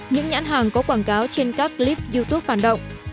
những nhãn hàng có quảng cáo trên các clip youtube phản động